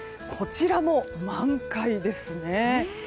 こちらも満開ですね。